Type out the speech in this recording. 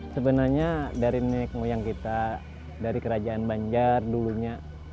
sebenarnya dari nek ngoyang kita dari kerajaan banjar dulunya